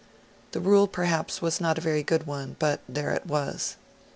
The rule, perhaps, was not a very good one; but there it was.